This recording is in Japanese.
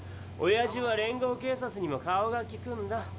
おやじは連合警察にも顔がきくんだ。